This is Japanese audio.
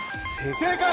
正解！